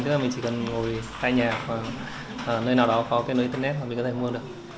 tức là mình chỉ cần ngồi tại nhà hoặc là nơi nào đó có cái nơi internet mà mình có thể mua được